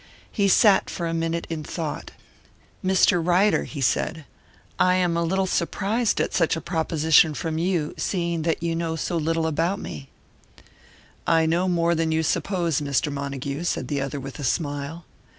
He sat for a minute in thought. "Mr. Ryder," he said, "I am a little surprised at such a proposition from you, seeing that you know so little about me " "I know more than you suppose, Mr. Montague," said the other, with a smile.